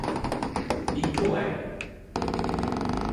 Il pourrait.